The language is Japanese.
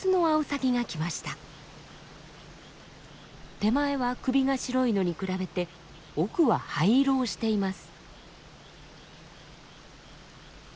手前は首が白いのに比べて奥は灰色をしています。